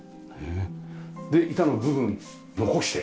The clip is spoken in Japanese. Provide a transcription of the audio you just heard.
で板の部分残して。